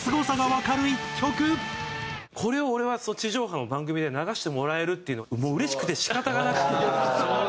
これを俺は地上波の番組で流してもらえるっていうのがもううれしくて仕方がなくて。